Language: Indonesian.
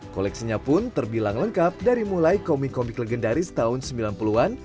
koleksinya pun terbilang lengkap dari mulai komik komik legendaris tahun sembilan puluh an